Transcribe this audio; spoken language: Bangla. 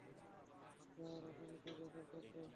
স্যার, আমরা কি ব্যাকআপ ডাকবো?